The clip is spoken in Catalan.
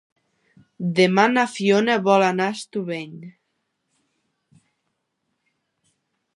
Demà na Fiona vol anar a Estubeny.